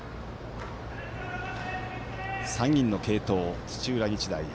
３人の継投、土浦日大。